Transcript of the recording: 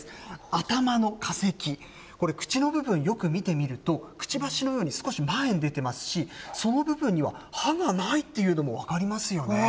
頭の化石、これ、口の部分、よく見てみると、くちばしのように少し前に出てますし、その部分には歯がないっていうのも分かりますよね。